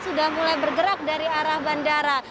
sudah mulai bergerak dari arah bandara